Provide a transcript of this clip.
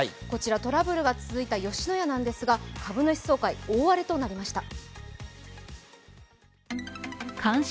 トラブルが続いた吉野家なんですが株主総会、大荒れとなりました。